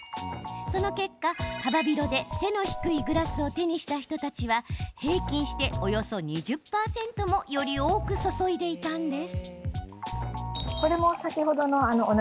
その結果、幅広で背の低いグラスを手にした人たちは平均しておよそ２０％もより多く注いでいたんです。